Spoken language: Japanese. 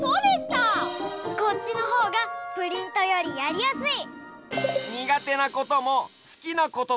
こっちのほうがプリントよりやりやすい。